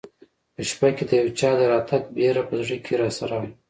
په شپه کې د یو چا د راتګ بېره په زړه کې راسره وه.